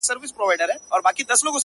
ددې ښكلا ـ